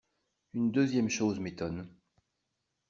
Une deuxième chose m’étonne.